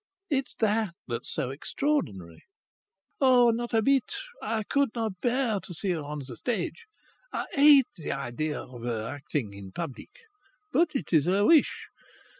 "It's that that's so extraordinary!" "Not a bit! I could not bear to see her on the stage. I hate the idea of her acting in public. But it is her wish.